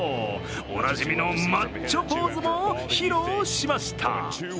おなじみのマッチョポーズも披露しました。